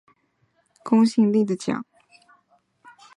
听说是世界上最有公信力的奖